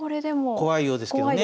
怖いようですけどね。